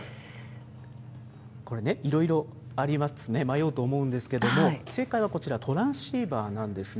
これね、いろいろありますね、迷うと思うんですけども、正解はこちら、トランシーバーなんですね。